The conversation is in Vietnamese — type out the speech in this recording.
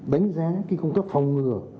đánh giá công chấp phòng ngừa